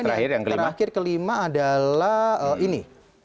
kemudian yang terakhir kelima adalah ini